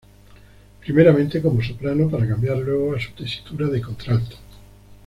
Primeramente como soprano para cambiar luego a su tesitura de contralto.